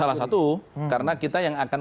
salah satu karena kita yang akan